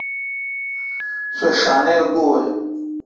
سو ݭانیر گویں۔